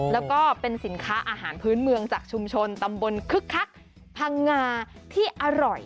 แล้วก็เป็นสินค้าอาหารพื้นเมืองจากชุมชนตำบลคึกคักพังงาที่อร่อย